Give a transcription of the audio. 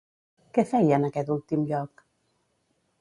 Què feia en aquest últim lloc?